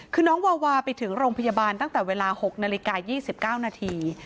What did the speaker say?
คือน้องวาวาไปถึงโรงพยาบาลตั้งแต่เวลา๖นาฬิกา๒๙นาที